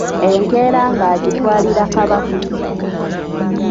Enkeera n’agyitwalira Kabaka.